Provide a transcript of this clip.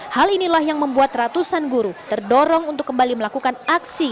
hal inilah yang membuat ratusan guru terdorong untuk kembali melakukan aksi